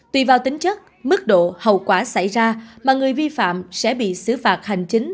tùy vào tính chất mức độ hậu quả xảy ra mà người vi phạm sẽ bị xử phạt hành chính